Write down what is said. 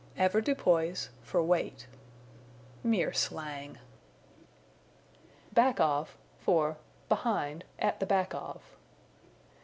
Avoirdupois for Weight. Mere slang. Back of for Behind, At the Back of.